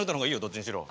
どっちにしろ。